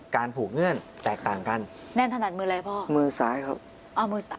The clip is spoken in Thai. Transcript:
การผูกเงื่อนแตกต่างกันแน่นถนัดมืออะไรพ่อมือซ้ายครับอ่ามือซ้าย